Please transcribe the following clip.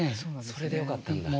それでよかったんだ。